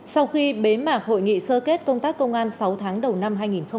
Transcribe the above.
sau khi bế mạc hội nghị sơ kết công tác công an sáu tháng đầu năm hai nghìn hai mươi ba